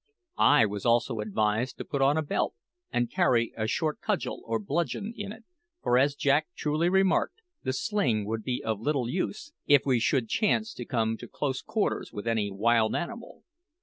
I was also advised to put on a belt and carry a short cudgel or bludgeon in it, for, as Jack truly remarked, the sling would be of little use if we should chance to come to close quarters with any wild animal.